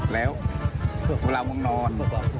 แล้วเวลามึงนอน